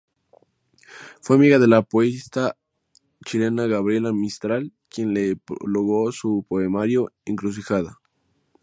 Fue amiga de la poetisa chilena Gabriela Mistral, quien le prologó su poemario "Encrucijada".